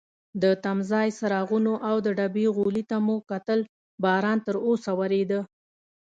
د تمځای څراغونو او د ډبې غولي ته مو کتل، باران تراوسه وریده.